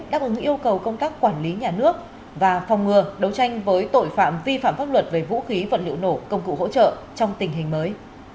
đáp ứng yêu cầu công tác quản lý nhà nước và phòng ngừa đấu tranh với tội phạm vi phạm pháp luật về vũ khí vật liệu nổ công cụ hỗ trợ trong tình hình mới